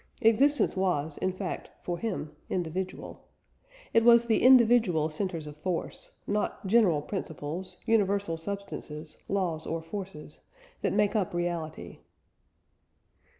Existence was, in fact, for him, individual. It was the individual centres of force not general principles, universal substances, laws or forces that make up reality.